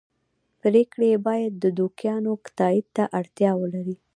پرېکړې یې باید د دوکیانو تایید ته اړتیا ولري.